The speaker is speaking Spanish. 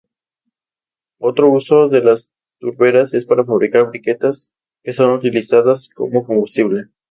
Otro uso de las turberas es para fabricar briquetas que son utilizadas como combustible.